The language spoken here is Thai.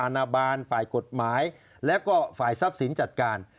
นาบาลฝ่ายกฎหมายและก็ฝ่ายทรัพย์สินจัดการ